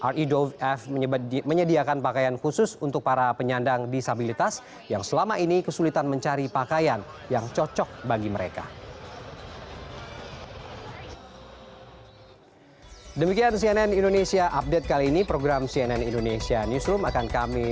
ridov f menyediakan pakaian khusus untuk para penyandang disabilitas yang selama ini kesulitan mencari pakaian yang cocok bagi mereka